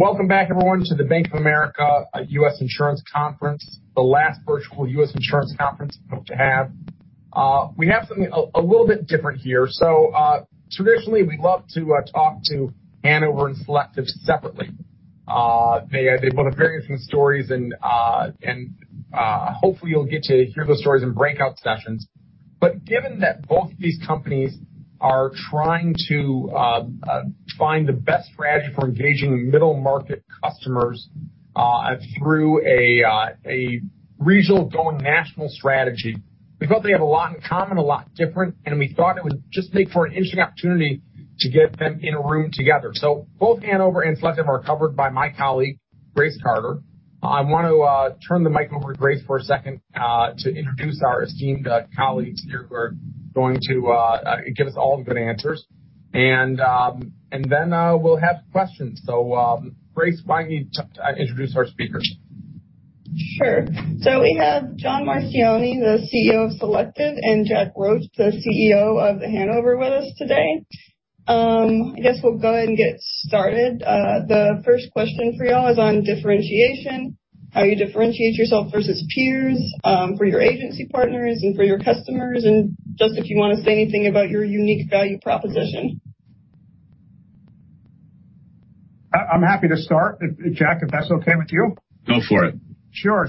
Welcome back everyone to the Bank of America U.S. Insurance Conference, the last virtual U.S. Insurance Conference I hope to have. We have something a little bit different here. Traditionally, we love to talk to Hanover and Selective separately. They both have very interesting stories, and hopefully you'll get to hear those stories in breakout sessions. Given that both of these companies are trying to find the best strategy for engaging middle-market customers through a regional going national strategy, we felt they have a lot in common, a lot different, and we thought it would just make for an interesting opportunity to get them in a room together. Both Hanover and Selective are covered by my colleague, Grace Carter. I want to turn the mic over to Grace for a second, to introduce our esteemed colleagues here who are going to give us all the good answers. Then we'll have questions. Grace, why don't you introduce our speakers? Sure. We have John Marchioni, the CEO of Selective, and Jack Roche, the CEO of The Hanover, with us today. I guess we'll go ahead and get started. The first question for y'all is on differentiation, how you differentiate yourself versus peers for your agency partners and for your customers, and just if you want to say anything about your unique value proposition. I'm happy to start, Jack, if that's okay with you. Go for it. Sure.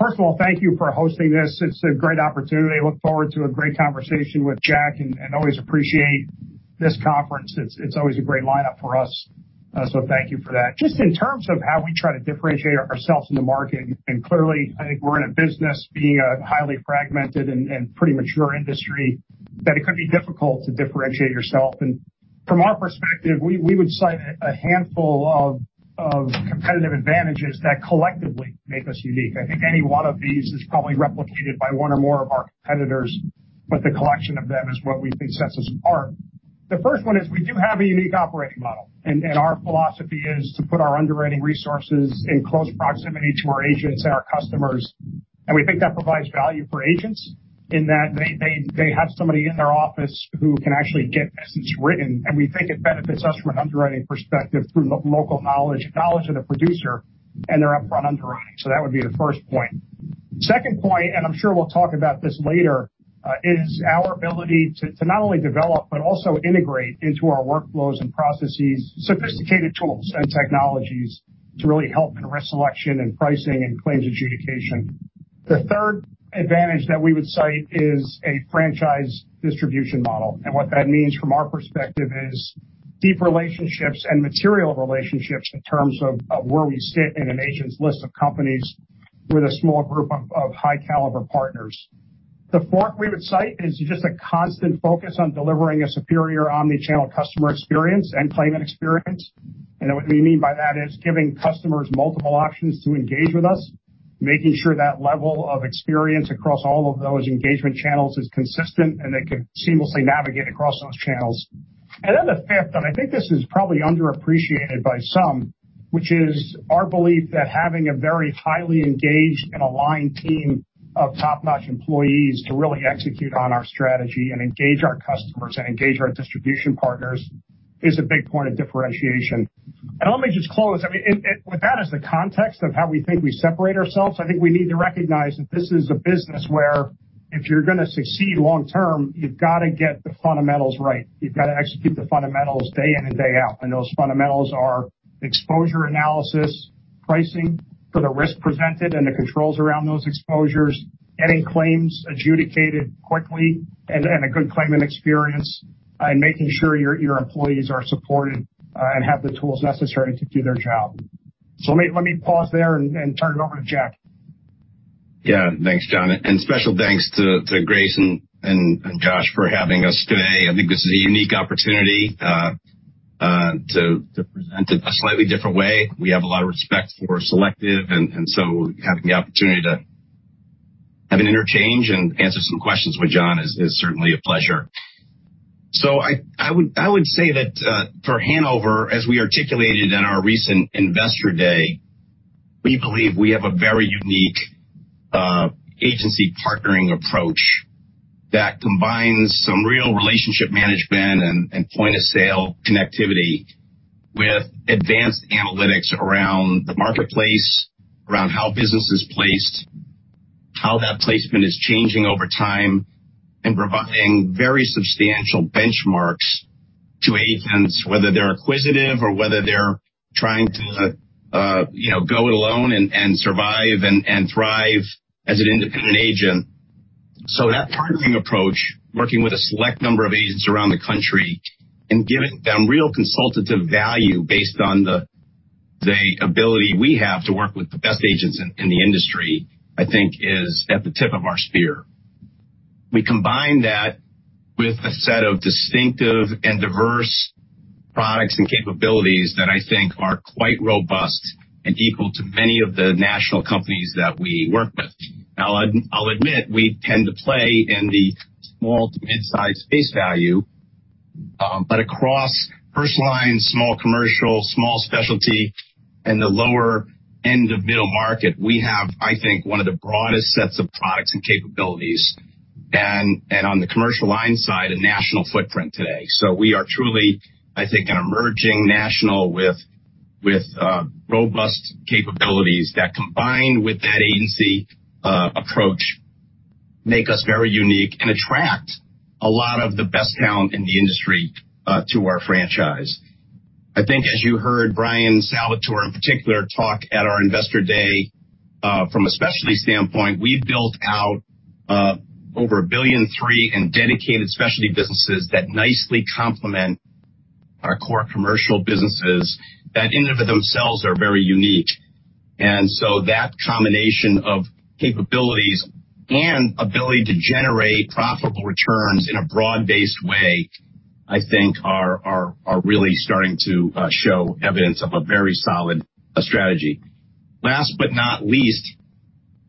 First of all, thank you for hosting this. It's a great opportunity. I look forward to a great conversation with Jack, always appreciate this conference. It's always a great lineup for us, so thank you for that. Just in terms of how we try to differentiate ourselves in the market, clearly, I think we're in a business being a highly fragmented and pretty mature industry, that it could be difficult to differentiate yourself. From our perspective, we would cite a handful of competitive advantages that collectively make us unique. I think any one of these is probably replicated by one or more of our competitors, but the collection of them is what we think sets us apart. The first one is we do have a unique operating model, our philosophy is to put our underwriting resources in close proximity to our agents and our customers. We think that provides value for agents in that they have somebody in their office who can actually get business written, we think it benefits us from an underwriting perspective through local knowledge of the producer, and they're up front underwriting. That would be the first point. Second point, I'm sure we'll talk about this later, is our ability to not only develop but also integrate into our workflows and processes, sophisticated tools and technologies to really help in risk selection and pricing and claims adjudication. The third advantage that we would cite is a franchise distribution model, what that means from our perspective is deep relationships and material relationships in terms of where we sit in an agent's list of companies with a small group of high-caliber partners. The fourth we would cite is just a constant focus on delivering a superior omnichannel customer experience and claimant experience. What we mean by that is giving customers multiple options to engage with us, making sure that level of experience across all of those engagement channels is consistent, and they can seamlessly navigate across those channels. The fifth, and I think this is probably underappreciated by some, which is our belief that having a very highly engaged and aligned team of top-notch employees to really execute on our strategy and engage our customers and engage our distribution partners is a big point of differentiation. Let me just close. I mean, with that as the context of how we think we separate ourselves, I think we need to recognize that this is a business where if you're going to succeed long term, you've got to get the fundamentals right. You've got to execute the fundamentals day in and day out. Those fundamentals are exposure analysis, pricing for the risk presented, and the controls around those exposures, getting claims adjudicated quickly and a good claimant experience, and making sure your employees are supported and have the tools necessary to do their job. Let me pause there and turn it over to Jack. Yeah. Thanks, John, and special thanks to Grace and Josh for having us today. I think this is a unique opportunity to present it a slightly different way. We have a lot of respect for Selective, having the opportunity to have an interchange and answer some questions with John is certainly a pleasure. I would say that for Hanover, as we articulated in our recent investor day, we believe we have a very unique agency partnering approach that combines some real relationship management and point-of-sale connectivity with advanced analytics around the marketplace, around how business is placed, how that placement is changing over time, and providing very substantial benchmarks to agents, whether they're acquisitive or whether they're trying to go it alone and survive and thrive as an independent agent. That partnering approach, working with a select number of agents around the country and giving them real consultative value based on the ability we have to work with the best agents in the industry, I think is at the tip of our spear. We combine that with a set of distinctive and diverse products and capabilities that I think are quite robust and equal to many of the national companies that we work with. Now, I'll admit, we tend to play in the small to mid-size space value, but across personal lines, small commercial, small specialty the lower end of middle market, we have, I think, one of the broadest sets of products and capabilities, and on the commercial line side, a national footprint today. We are truly, I think, an emerging national with robust capabilities that, combined with that agency approach, make us very unique and attract a lot of the best talent in the industry to our franchise. I think as you heard Bryan Salvatore in particular talk at our investor day, from a specialty standpoint, we've built out over $1.3 billion in dedicated specialty businesses that nicely complement our core commercial businesses that in and of themselves are very unique. That combination of capabilities and ability to generate profitable returns in a broad-based way, I think, are really starting to show evidence of a very solid strategy. Last but not least,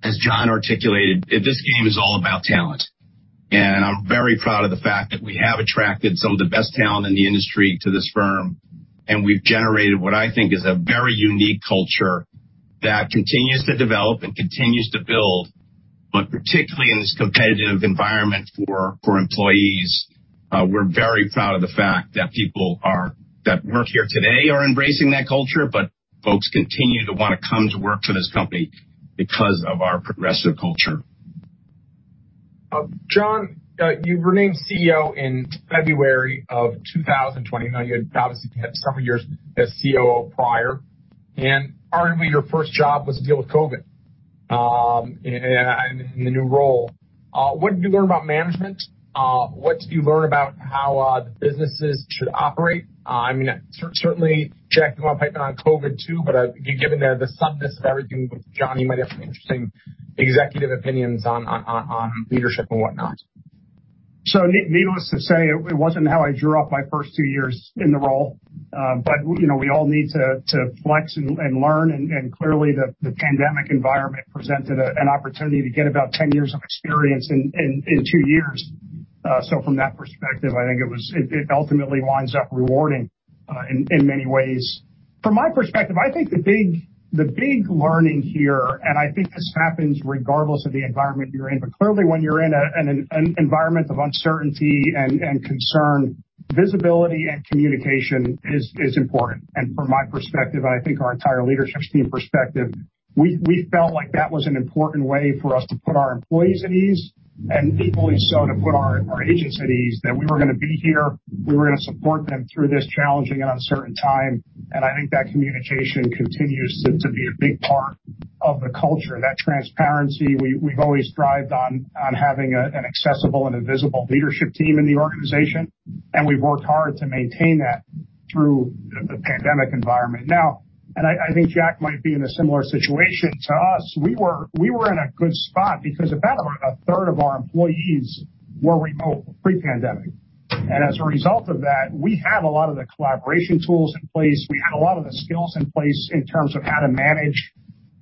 as John articulated, this game is all about talent. I'm very proud of the fact that we have attracted some of the best talent in the industry to this firm, and we've generated what I think is a very unique culture that continues to develop and continues to build. Particularly in this competitive environment for employees, we're very proud of the fact that people that work here today are embracing that culture, but folks continue to want to come to work for this company because of our progressive culture. John, you were named CEO in February 2020. Now, you had obviously had several years as COO prior, and arguably your first job was to deal with COVID in the new role. What did you learn about management? What did you learn about how the businesses should operate? I mean, certainly, Jack, you went piping hot on COVID, too, but given the suddenness of everything with John, you might have some interesting executive opinions on leadership and whatnot. Needless to say, it wasn't how I drew up my first two years in the role. We all need to flex and learn, and clearly, the pandemic environment presented an opportunity to get about 10 years of experience in two years. From that perspective, I think it ultimately winds up rewarding in many ways. From my perspective, I think the big learning here, and I think this happens regardless of the environment you're in, but clearly, when you're in an environment of uncertainty and concern, visibility and communication is important. From my perspective, and I think our entire leadership team perspective, we felt like that was an important way for us to put our employees at ease and equally so to put our agents at ease, that we were going to be here, we were going to support them through this challenging and uncertain time. I think that communication continues to be a big part of the culture, that transparency. We've always strived on having an accessible and a visible leadership team in the organization, and we've worked hard to maintain that through the pandemic environment. Now, I think Jack might be in a similar situation to us. We were in a good spot because about a third of our employees were remote pre-pandemic. As a result of that, we had a lot of the collaboration tools in place. We had a lot of the skills in place in terms of how to manage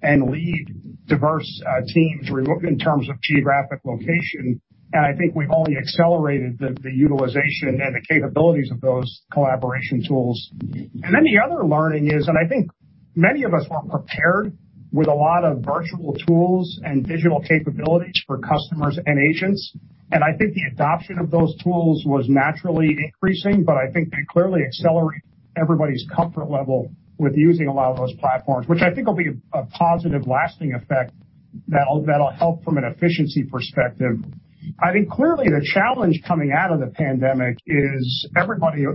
and lead diverse teams remote in terms of geographic location. I think we've only accelerated the utilization and the capabilities of those collaboration tools. The other learning is, I think many of us weren't prepared with a lot of virtual tools and digital capabilities for customers and agents. I think the adoption of those tools was naturally increasing, but I think they clearly accelerated everybody's comfort level with using a lot of those platforms, which I think will be a positive, lasting effect that'll help from an efficiency perspective. I think clearly the challenge coming out of the pandemic is everybody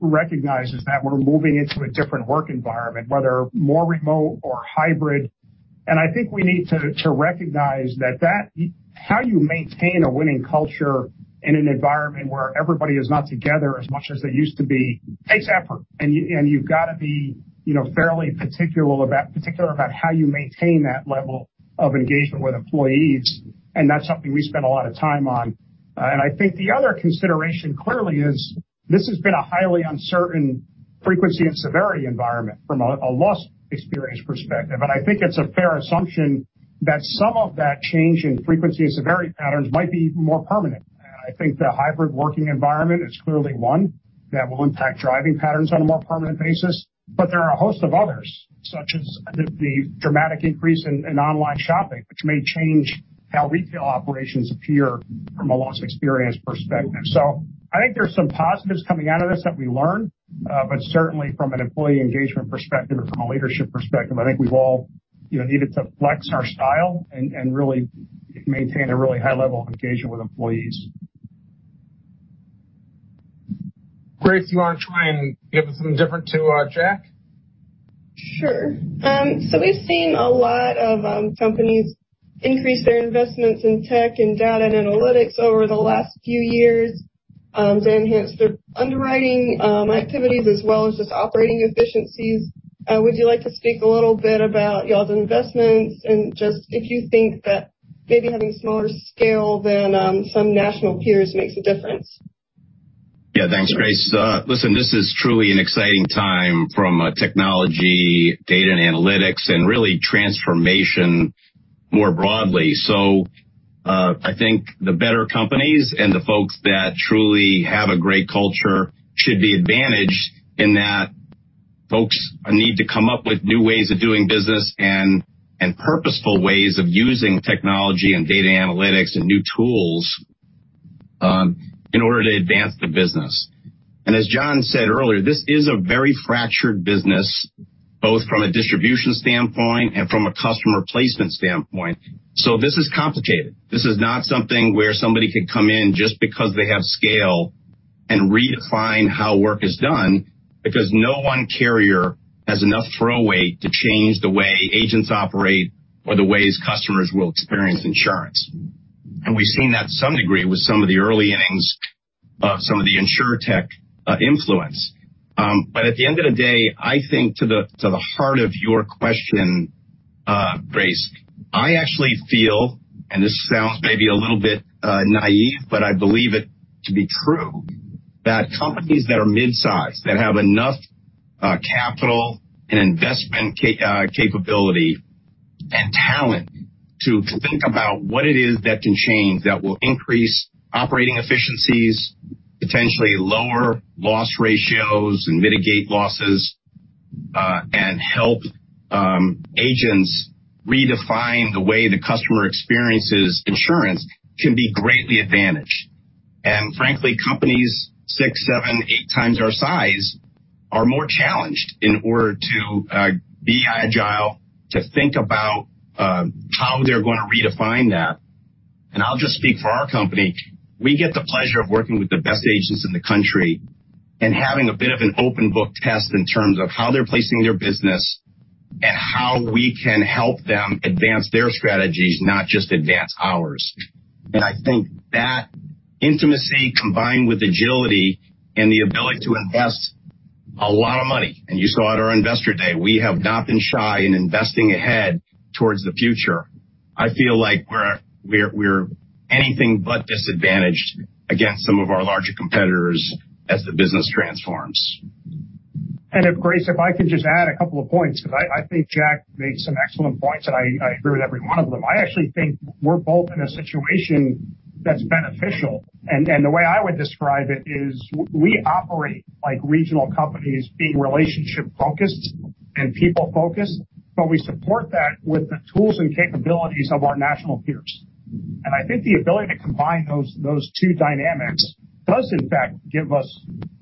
recognizes that we're moving into a different work environment, whether more remote or hybrid. I think we need to recognize that how you maintain a winning culture in an environment where everybody is not together as much as they used to be takes effort. You've got to be fairly particular about how you maintain that level of engagement with employees. That's something we spend a lot of time on. I think the other consideration, clearly, is this has been a highly uncertain frequency and severity environment from a loss experience perspective. I think it's a fair assumption that some of that change in frequency and severity patterns might be more permanent. I think the hybrid working environment is clearly one that will impact driving patterns on a more permanent basis. There are a host of others, such as the dramatic increase in online shopping, which may change how retail operations appear from a loss experience perspective. I think there's some positives coming out of this that we learned. Certainly from an employee engagement perspective or from a leadership perspective, I think we've all needed to flex our style and really maintain a really high level of engagement with employees. Grace, you want to try and give us something different to Jack? Sure. We've seen a lot of companies increase their investments in tech and data analytics over the last few years to enhance their underwriting activities as well as just operating efficiencies. Would you like to speak a little bit about y'all's investments and just if you think that maybe having smaller scale than some national peers makes a difference? Yeah. Thanks, Grace. Listen, this is truly an exciting time from a technology, data, and analytics and really transformation more broadly. I think the better companies and the folks that truly have a great culture should be advantaged in that folks need to come up with new ways of doing business and purposeful ways of using technology and data analytics and new tools in order to advance the business. As John said earlier, this is a very fractured business, both from a distribution standpoint and from a customer placement standpoint. This is complicated. This is not something where somebody could come in just because they have scale and redefine how work is done, because no one carrier has enough throw weight to change the way agents operate or the ways customers will experience insurance. We've seen that to some degree with some of the early innings of some of the Insurtech influence. At the end of the day, I think to the heart of your question, Grace, I actually feel, and this sounds maybe a little bit naive, but I believe it to be true, that companies that are mid-size, that have enough capital and investment capability and talent to think about what it is that can change, that will increase operating efficiencies, potentially lower loss ratios, and mitigate losses, and help agents redefine the way the customer experiences insurance, can be greatly advantaged. Frankly, companies six, seven, eight times our size are more challenged in order to be agile, to think about how they're going to redefine that. I'll just speak for our company. We get the pleasure of working with the best agents in the country and having a bit of an open book test in terms of how they're placing their business and how we can help them advance their strategies, not just advance ours. I think that intimacy, combined with agility and the ability to invest a lot of money, and you saw at our investor day, we have not been shy in investing ahead towards the future. I feel like we're anything but disadvantaged against some of our larger competitors as the business transforms. Grace, if I could just add a couple of points, because I think Jack made some excellent points, and I agree with every one of them. I actually think we're both in a situation that's beneficial. The way I would describe it is we operate like regional companies being relationship-focused and people-focused, but we support that with the tools and capabilities of our national peers. I think the ability to combine those two dynamics does in fact give us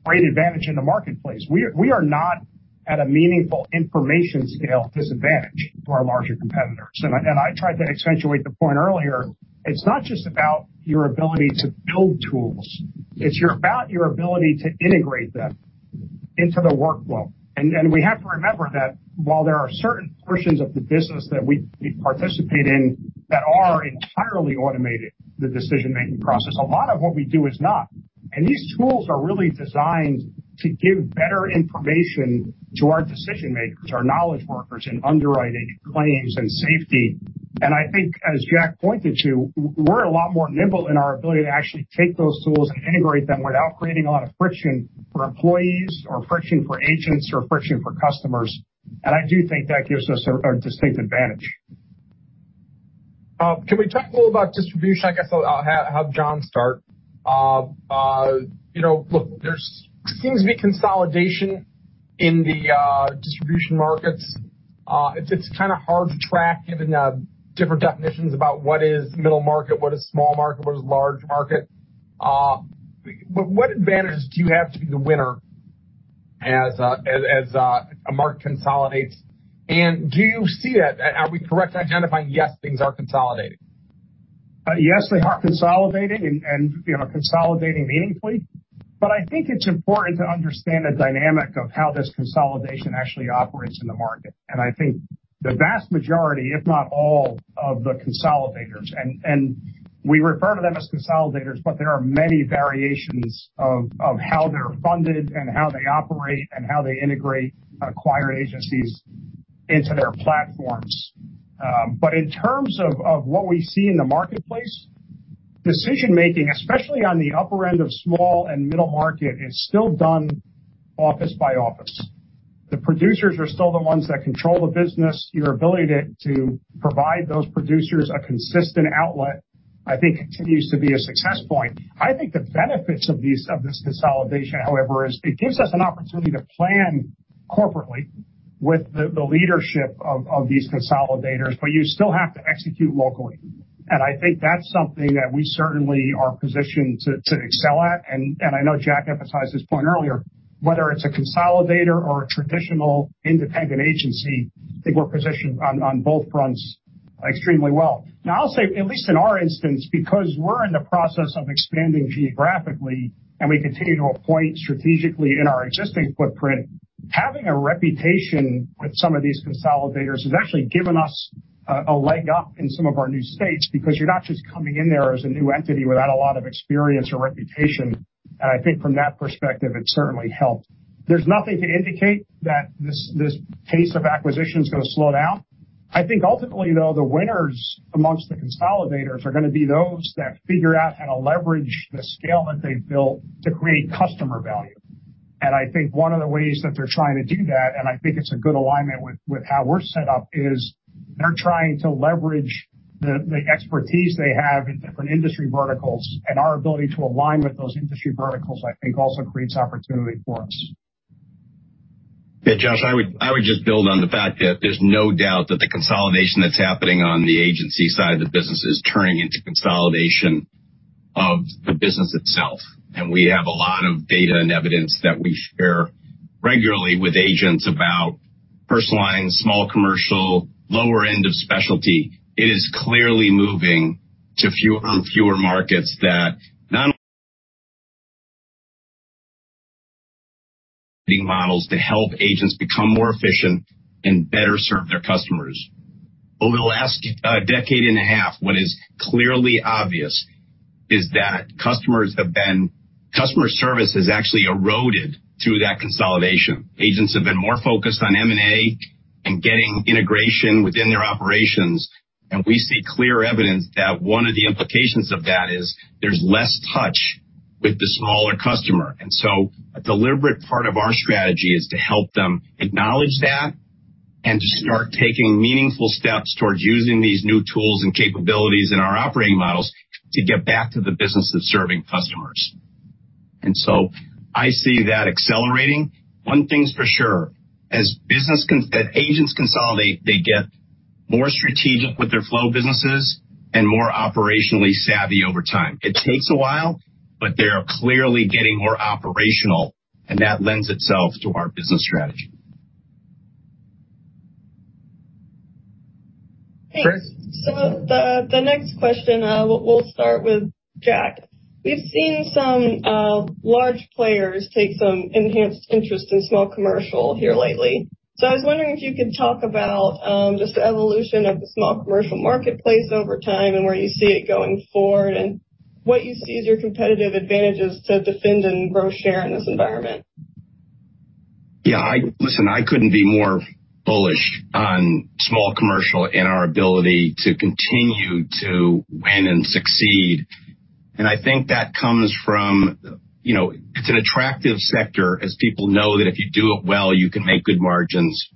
great advantage in the marketplace. We are not at a meaningful information scale disadvantage to our larger competitors. I tried to accentuate the point earlier. It's not just about your ability to build tools, it's about your ability to integrate them into the workflow. We have to remember that while there are certain portions of the business that we participate in that are entirely automated, the decision-making process, a lot of what we do is not. These tools are really designed to give better information to our decision makers, our knowledge workers in underwriting claims and safety. I think as Jack pointed to, we're a lot more nimble in our ability to actually take those tools and integrate them without creating a lot of friction for employees, or friction for agents, or friction for customers. I do think that gives us a distinct advantage. Can we talk a little about distribution? I guess I'll have John start. Look, there seems to be consolidation in the distribution markets. It's kind of hard to track given different definitions about what is middle market, what is small market, what is large market. What advantage do you have to be the winner as a market consolidates? Do you see that? Are we correct identifying, yes, things are consolidating? Yes, they are consolidating and consolidating meaningfully. I think it's important to understand the dynamic of how this consolidation actually operates in the market. I think the vast majority, if not all of the consolidators, and we refer to them as consolidators, but there are many variations of how they're funded and how they operate and how they integrate acquired agencies into their platforms. In terms of what we see in the marketplace, decision-making, especially on the upper end of small and middle market, is still done office by office. The producers are still the ones that control the business. Your ability to provide those producers a consistent outlet, I think continues to be a success point. I think the benefits of this consolidation, however, is it gives us an opportunity to plan corporately with the leadership of these consolidators, but you still have to execute locally. I think that's something that we certainly are positioned to excel at. I know Jack emphasized this point earlier, whether it's a consolidator or a traditional independent agency, I think we're positioned on both fronts extremely well. Now, I'll say, at least in our instance, because we're in the process of expanding geographically and we continue to appoint strategically in our existing footprint, having a reputation with some of these consolidators has actually given us a leg up in some of our new states because you're not just coming in there as a new entity without a lot of experience or reputation. I think from that perspective, it certainly helped. There's nothing to indicate that this pace of acquisition is going to slow down. I think ultimately, though, the winners amongst the consolidators are going to be those that figure out how to leverage the scale that they've built to create customer value. I think one of the ways that they're trying to do that, and I think it's a good alignment with how we're set up, is they're trying to leverage the expertise they have in different industry verticals, and our ability to align with those industry verticals, I think also creates opportunity for us. Yeah, Josh, I would just build on the fact that there's no doubt that the consolidation that's happening on the agency side of the business is turning into consolidation of the business itself. We have a lot of data and evidence that we share regularly with agents about personal lines, small commercial, lower end of specialty. It is clearly moving to fewer and fewer markets that not only models to help agents become more efficient and better serve their customers. Over the last decade and a half, what is clearly obvious is that Customer service has actually eroded through that consolidation. Agents have been more focused on M&A and getting integration within their operations, and we see clear evidence that one of the implications of that is there's less touch with the smaller customer. A deliberate part of our strategy is to help them acknowledge that and to start taking meaningful steps towards using these new tools and capabilities in our operating models to get back to the business of serving customers. I see that accelerating. One thing's for sure, as agents consolidate, they get more strategic with their flow businesses and more operationally savvy over time. It takes a while, but they are clearly getting more operational, and that lends itself to our business strategy. Thanks. Grace. The next question, we'll start with Jack. We've seen some large players take some enhanced interest in small commercial here lately. I was wondering if you could talk about, just the evolution of the small commercial marketplace over time and where you see it going forward and what you see as your competitive advantages to defend and grow share in this environment. Yeah, listen, I couldn't be more bullish on small commercial and our ability to continue to win and succeed. I think that comes from, it's an attractive sector as people know that if you do it well, you can make good margins.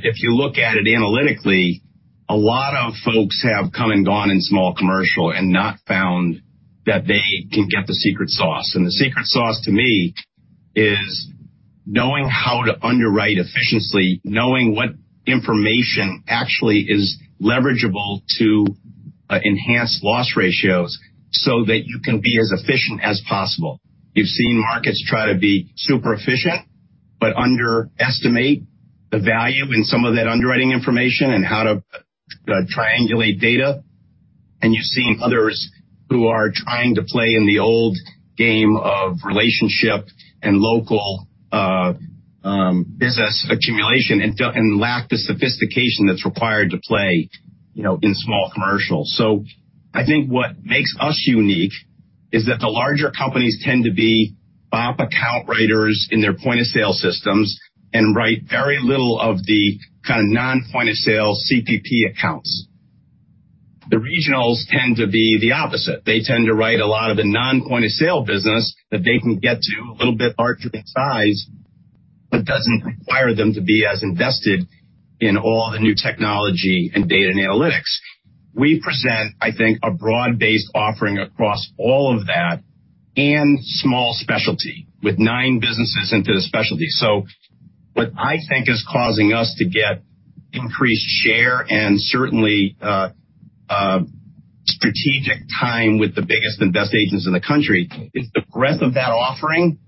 If you look at it analytically, a lot of folks have come and gone in small commercial and not found that they can get the secret sauce. The secret sauce to me is knowing how to underwrite efficiently, knowing what information actually is leverageable to enhance loss ratios so that you can be as efficient as possible. You've seen markets try to be super efficient, but underestimate the value in some of that underwriting information and how to triangulate data. You've seen others who are trying to play in the old game of relationship and local business accumulation and lack the sophistication that's required to play in small commercial. I think what makes us unique is that the larger companies tend to be BOP account writers in their point of sale systems and write very little of the kind of non-point of sale CPP accounts. The regionals tend to be the opposite. They tend to write a lot of the non-point of sale business that they can get to, a little bit larger in size, but doesn't require them to be as invested in all the new technology and data and analytics. We present, I think, a broad-based offering across all of that and small specialty with nine businesses into the specialty. What I think is causing us to get increased share and certainly, strategic time with the biggest and best agents in the country is the breadth of that offering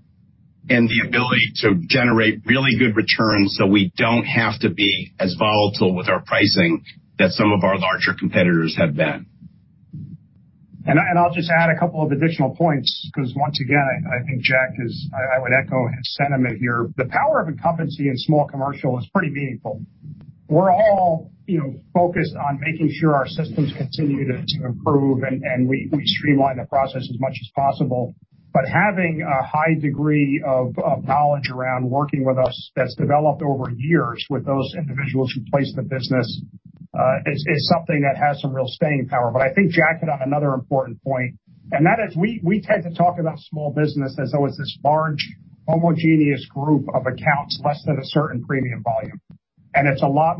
and the ability to generate really good returns, so we don't have to be as volatile with our pricing that some of our larger competitors have been. I'll just add a couple of additional points because once again, I think Jack, I would echo his sentiment here. The power of incumbency in small commercial is pretty meaningful. We're all focused on making sure our systems continue to improve and we streamline the process as much as possible. Having a high degree of knowledge around working with us that's developed over years with those individuals who place the business, is something that has some real staying power. I think Jack hit on another important point. We tend to talk about small business as though it's this large homogeneous group of accounts, less than a certain premium volume. It's a lot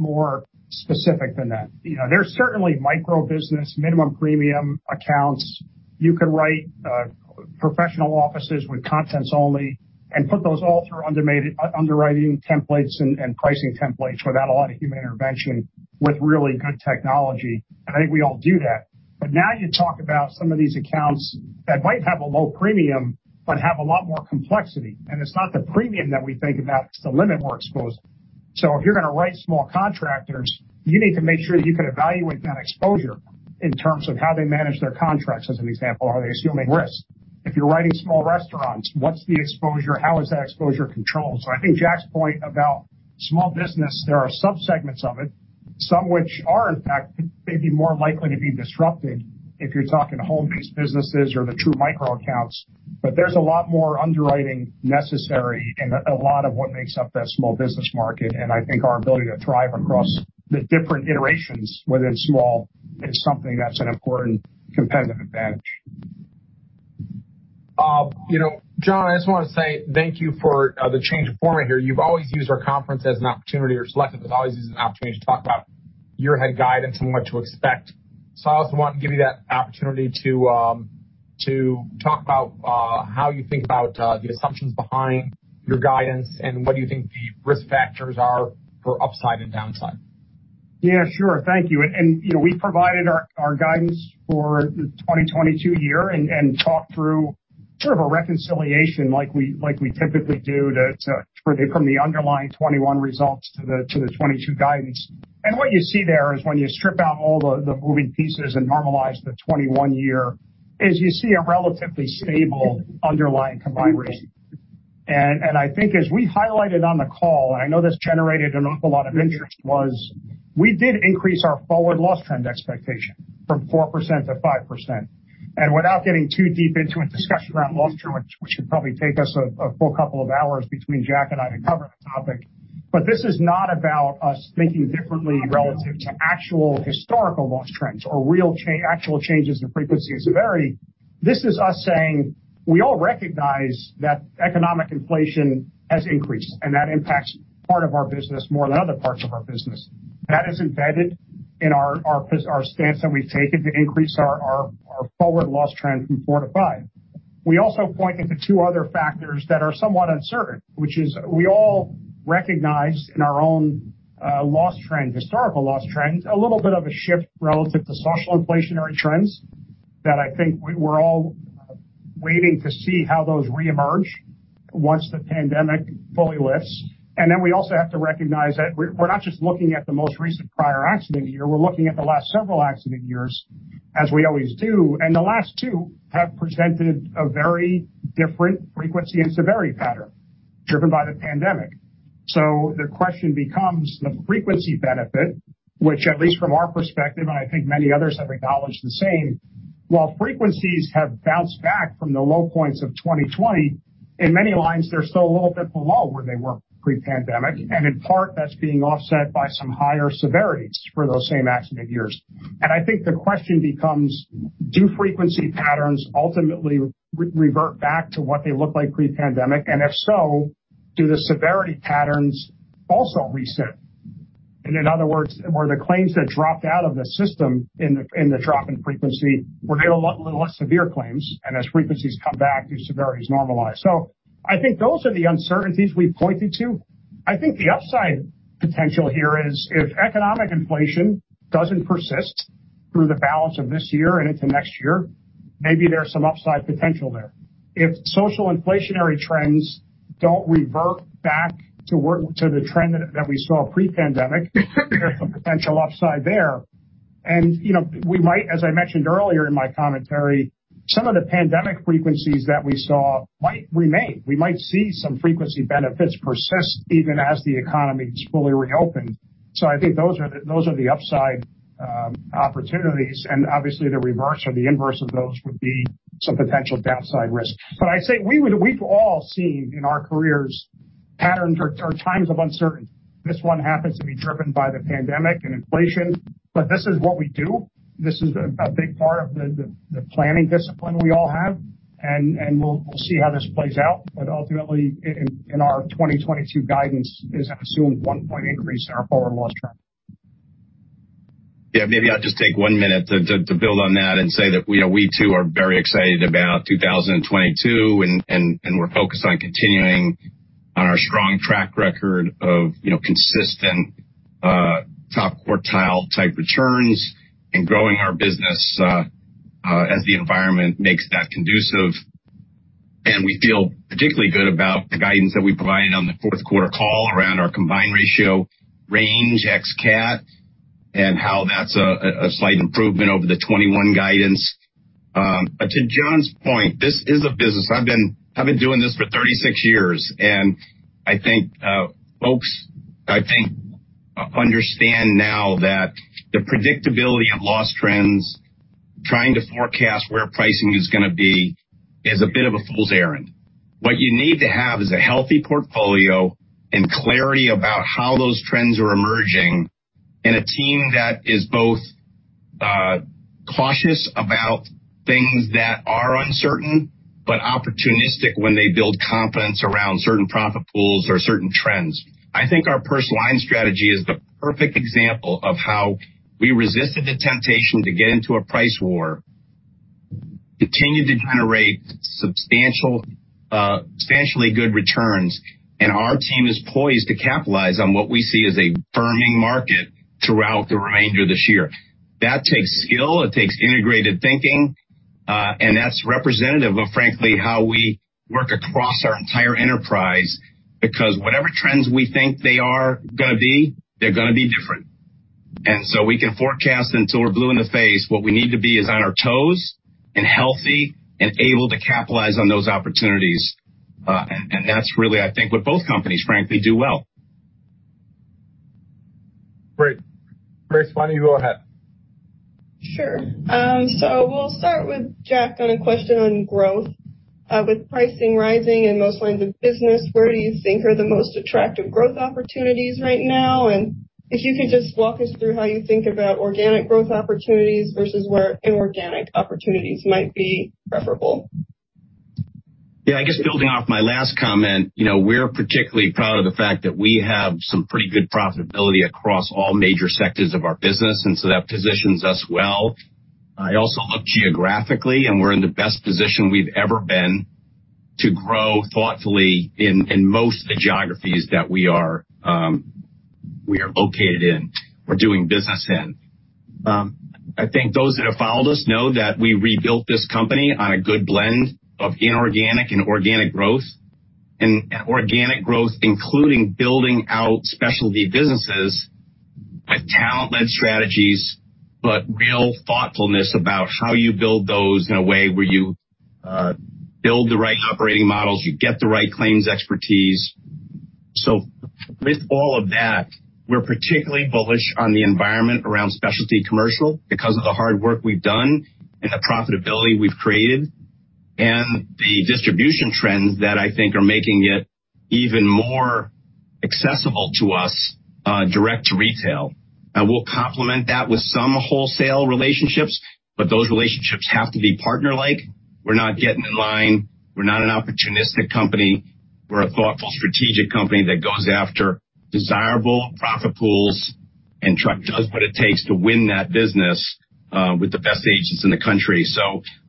more specific than that. There's certainly micro business, minimum premium accounts. You can write professional offices with contents only and put those all through underwriting templates and pricing templates without a lot of human intervention with really good technology. I think we all do that. Now you talk about some of these accounts that might have a low premium, but have a lot more complexity. It's not the premium that we think about, it's the limit we're exposed to. If you're going to write small contractors, you need to make sure that you can evaluate that exposure in terms of how they manage their contracts, as an example. Are they assuming risk? If you're writing small restaurants, what's the exposure? How is that exposure controlled? I think Jack's point about small business, there are subsegments of it, some which are in fact maybe more likely to be disrupted if you're talking home-based businesses or the true micro accounts. There's a lot more underwriting necessary in a lot of what makes up that small business market. I think our ability to thrive across the different iterations within small is something that's an important competitive advantage. John, I just want to say thank you for the change of format here. You've always used our conference as an opportunity, or Select has always used as an opportunity to talk about your head guidance and what to expect. I also want to give you that opportunity to talk about how you think about the assumptions behind your guidance, and what do you think the risk factors are for upside and downside? Yeah, sure. Thank you. We provided our guidance for the 2022 year and talked through sort of a reconciliation like we typically do from the underlying 2021 results to the 2022 guidance. What you see there is when you strip out all the moving pieces and normalize the 2021 year is you see a relatively stable underlying combined ratio. I think as we highlighted on the call, and I know this generated an awful lot of interest, was we did increase our forward loss trend expectation from 4% to 5%. Without getting too deep into a discussion around loss trend, which would probably take us a full couple of hours between Jack and I to cover the topic. This is not about us thinking differently relative to actual historical loss trends or real actual changes in frequency and severity. This is us saying we all recognize that economic inflation has increased, and that impacts part of our business more than other parts of our business. That is embedded in our stance that we've taken to increase our forward loss trend from four to five. We also pointed to two other factors that are somewhat uncertain. We all recognize in our own loss trend, historical loss trends, a little bit of a shift relative to social inflation trends that I think we're all waiting to see how those reemerge once the pandemic fully lifts. We also have to recognize that we're not just looking at the most recent prior accident year, we're looking at the last several accident years, as we always do. The last two have presented a very different frequency and severity pattern driven by the pandemic. The question becomes the frequency benefit, which at least from our perspective, and I think many others have acknowledged the same. While frequencies have bounced back from the low points of 2020, in many lines, they're still a little bit below where they were pre-pandemic, and in part that's being offset by some higher severities for those same accident years. I think the question becomes, do frequency patterns ultimately revert back to what they looked like pre-pandemic? If so, do the severity patterns also reset? In other words, were the claims that dropped out of the system in the drop in frequency, were they a lot less severe claims? As frequencies come back, do severities normalize? I think those are the uncertainties we've pointed to. I think the upside potential here is if economic inflation doesn't persist through the balance of this year and into next year, maybe there's some upside potential there. If social inflation trends don't revert back to the trend that we saw pre-pandemic, there's some potential upside there. We might, as I mentioned earlier in my commentary, some of the pandemic frequencies that we saw might remain. We might see some frequency benefits persist even as the economy is fully reopened. I think those are the upside opportunities. Obviously the reverse or the inverse of those would be some potential downside risk. I say we've all seen in our careers patterns or times of uncertainty. This one happens to be driven by the pandemic and inflation. This is what we do. This is a big part of the planning discipline we all have. We'll see how this plays out. Ultimately, in our 2022 guidance is assumed 1 point increase in our forward loss trend. Yeah. Maybe I'll just take one minute to build on that and say that we too are very excited about 2022. We're focused on continuing on our strong track record of consistent top quartile type returns and growing our business as the environment makes that conducive. We feel particularly good about the guidance that we provided on the fourth quarter call around our combined ratio range, x CAT, and how that's a slight improvement over the 2021 guidance. To John's point, this is a business. I've been doing this for 36 years, and I think folks understand now that the predictability of loss trends, trying to forecast where pricing is going to be is a bit of a fool's errand. What you need to have is a healthy portfolio and clarity about how those trends are emerging in a team that is both cautious about things that are uncertain but opportunistic when they build confidence around certain profit pools or certain trends. I think our personal lines strategy is the perfect example of how we resisted the temptation to get into a price war, continued to generate substantially good returns. Our team is poised to capitalize on what we see as a firming market throughout the remainder of this year. That takes skill, it takes integrated thinking, and that's representative of, frankly, how we work across our entire enterprise. Whatever trends we think they are going to be, they're going to be different. We can forecast until we're blue in the face. What we need to be is on our toes and healthy and able to capitalize on those opportunities. That's really, I think, what both companies, frankly, do well. Great. Grace, why don't you go ahead? We'll start with Jack on a question on growth. With pricing rising in most lines of business, where do you think are the most attractive growth opportunities right now? If you could just walk us through how you think about organic growth opportunities versus where inorganic opportunities might be preferable. Yeah, I guess building off my last comment, we're particularly proud of the fact that we have some pretty good profitability across all major sectors of our business, and so that positions us well. I also look geographically, and we're in the best position we've ever been to grow thoughtfully in most of the geographies that we are located in or doing business in. I think those that have followed us know that we rebuilt this company on a good blend of inorganic and organic growth. Organic growth, including building out specialty businesses with talent-led strategies, but real thoughtfulness about how you build those in a way where you build the right operating models, you get the right claims expertise. With all of that, we're particularly bullish on the environment around specialty commercial because of the hard work we've done and the profitability we've created, and the distribution trends that I think are making it even more accessible to us direct to retail. We'll complement that with some wholesale relationships, but those relationships have to be partner-like. We're not getting in line. We're not an opportunistic company. We're a thoughtful, strategic company that goes after desirable profit pools and does what it takes to win that business with the best agents in the country.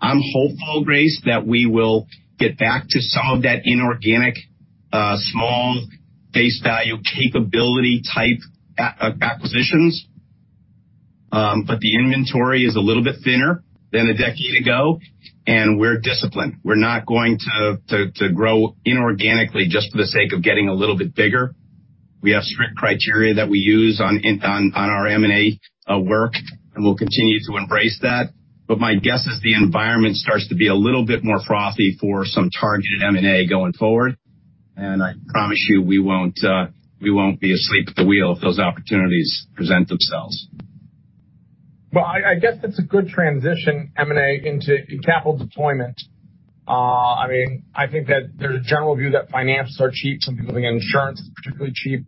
I'm hopeful, Grace, that we will get back to some of that inorganic, small base value capability type acquisitions. The inventory is a little bit thinner than a decade ago, and we're disciplined. We're not going to grow inorganically just for the sake of getting a little bit bigger. We have strict criteria that we use on our M&A work, we'll continue to embrace that. My guess is the environment starts to be a little bit more frothy for some targeted M&A going forward, I promise you, we won't be asleep at the wheel if those opportunities present themselves. I guess that's a good transition, M&A into capital deployment. I think that there's a general view that financials are cheap. Some people think insurance is particularly cheap.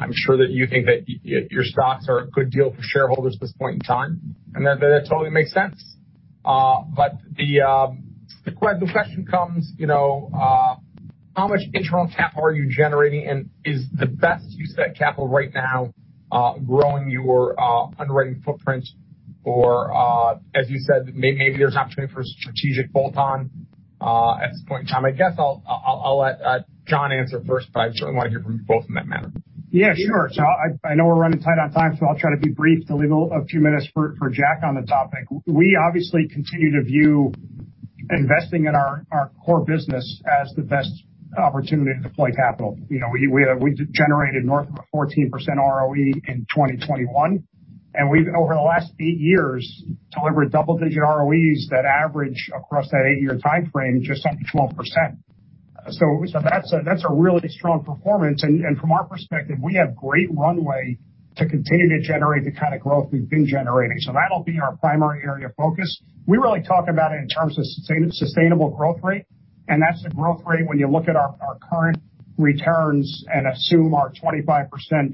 I'm sure that you think that your stocks are a good deal for shareholders at this point in time, That totally makes sense. The question comes, how much internal capital are you generating, Is the best use of that capital right now growing your underwriting footprint or, as you said, maybe there's opportunity for a strategic bolt-on at this point in time? I guess I'll let John answer first, I certainly want to hear from you both on that matter. Sure. I know we're running tight on time, I'll try to be brief to leave a few minutes for Jack on the topic. We obviously continue to view investing in our core business as the best opportunity to deploy capital. We generated north of a 14% ROE in 2021, we've, over the last eight years, delivered double-digit ROEs that average across that eight-year timeframe just under 12%. That's a really strong performance. From our perspective, we have great runway to continue to generate the kind of growth we've been generating. That'll be our primary area of focus. We really talk about it in terms of sustainable growth rate, that's the growth rate when you look at our current returns and assume our 25%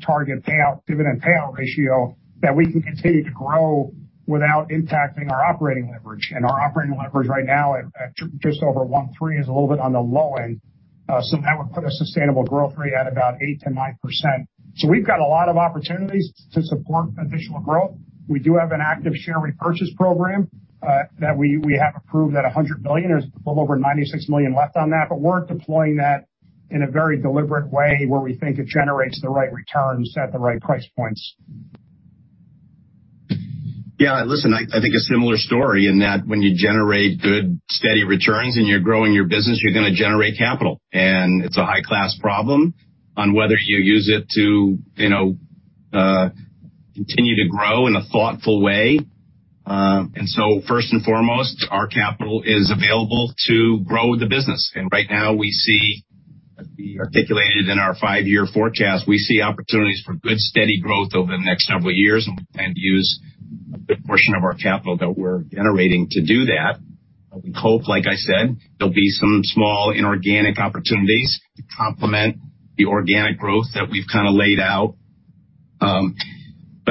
target payout, dividend payout ratio, that we can continue to grow without impacting our operating leverage. Our operating leverage right now at just over one three is a little bit on the low end. That would put a sustainable growth rate at about 8%-9%. We've got a lot of opportunities to support additional growth. We do have an active share repurchase program that we have approved at $700 million. There's a little over $96 million left on that, We're deploying that in a very deliberate way where we think it generates the right returns at the right price points. Yeah. Listen, I think a similar story in that when you generate good, steady returns and you're growing your business, you're going to generate capital. It's a high-class problem on whether you use it to continue to grow in a thoughtful way. First and foremost, our capital is available to grow the business. Right now we see, as we articulated in our 5-year forecast, we see opportunities for good, steady growth over the next several years, and we plan to use a good portion of our capital that we're generating to do that. We hope, like I said, there'll be some small inorganic opportunities to complement the organic growth that we've kind of laid out.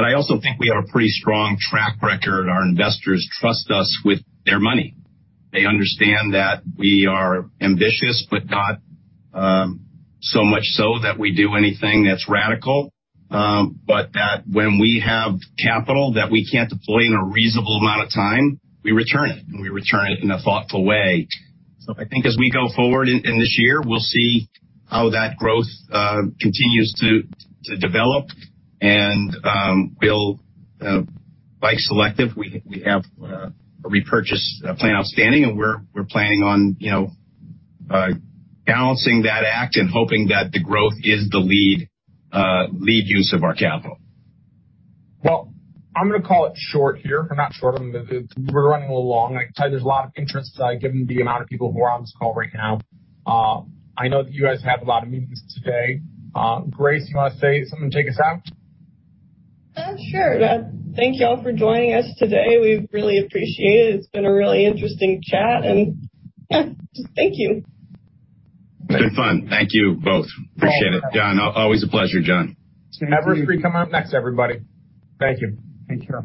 I also think we have a pretty strong track record. Our investors trust us with their money. They understand that we are ambitious, but not so much so that we do anything that's radical. When we have capital that we can't deploy in a reasonable amount of time, we return it, and we return it in a thoughtful way. I think as we go forward in this year, we'll see how that growth continues to develop, and we'll be selective. We have a repurchase plan outstanding, and we're planning on balancing that act and hoping that the growth is the lead use of our capital. Well, I'm going to call it short here. Not short. We're running a little long. There's a lot of interest, given the amount of people who are on this call right now. I know that you guys have a lot of meetings today. Grace, you want to say something to take us out? Sure. Thank you all for joining us today. We really appreciate it. It's been a really interesting chat, and just thank you. It's been fun. Thank you both. Appreciate it. John, always a pleasure, John. Everfi coming up next, everybody. Thank you. Take care.